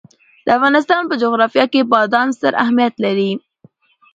د افغانستان په جغرافیه کې بادام ستر اهمیت لري.